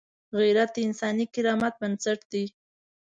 غیرت د انساني کرامت بنسټ دی